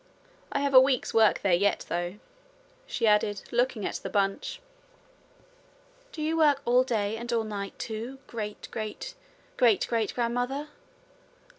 I have a week's work there yet, though,' she added, looking at the bunch. 'Do you work all day and all night, too, great great great great grandmother?'